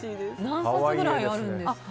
何冊ぐらいあるんですか？